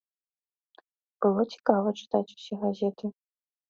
Было цікава чытаць усе газеты.